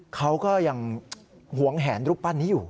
เขาก็ยังหวงแหนรูปปั้นนี้อยู่